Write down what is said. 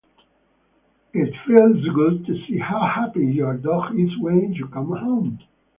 It feels good to see how happy your dog is when you come home.